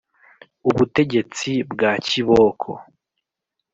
ubutegetsi bwa kiboko